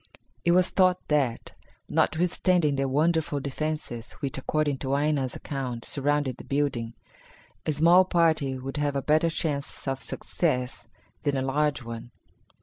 It was thought that, notwithstanding the wonderful defences, which, according to Aina's account surrounded the building, a small party would have a better chance of success than a large one.